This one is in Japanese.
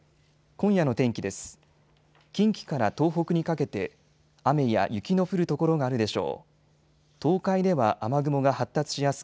今夜の天気です。